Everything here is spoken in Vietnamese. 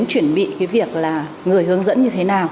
từ cái chuyển bị cái việc là người hướng dẫn như thế nào